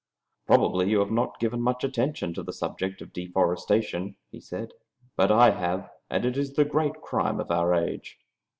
"Probably you have not given much attention to the subject of deforestation," he said, "but I have, and it is the great crime of our age."